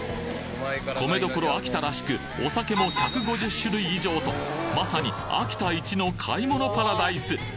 米所秋田らしくお酒も１５０種類以上とまさに秋田一の買い物パラダイス！